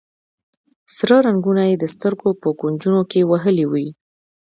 سره رنګونه یې د سترګو په کونجونو کې وهلي وي.